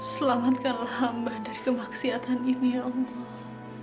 selamatkan hamba dari kemaksiatan ini ya allah